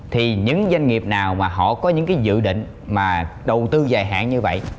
thì những doanh nghiệp nào mà họ có những cái dự định mà đầu tư dài hạn như vậy